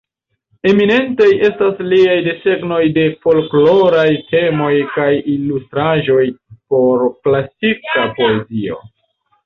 Eminentaj estas liaj desegnoj de folkloraj temoj kaj ilustraĵoj por klasika poezio.